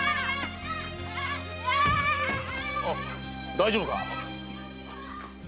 大丈夫か？